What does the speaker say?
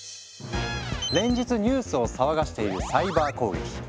連日ニュースを騒がしているサイバー攻撃。